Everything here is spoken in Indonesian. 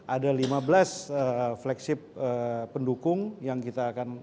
ada lima belas flagship pendukung yang kita akan